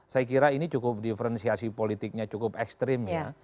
saya kira ini cukup diferensiasi politiknya cukup ekstrim ya